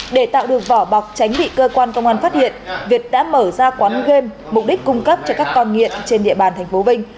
để tạo được vỏ bọc tránh bị cơ quan công an phát hiện việt đã mở ra quán game mục đích cung cấp cho các con nghiện trên địa bàn tp vinh